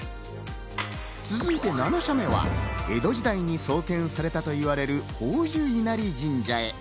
続いて７社目は江戸時代に創建されたと言われる宝珠稲荷神社へ。